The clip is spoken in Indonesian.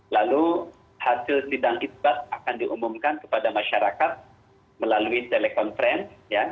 lalu hasil sidang isbat akan diumumkan kepada masyarakat melalui telekonferensi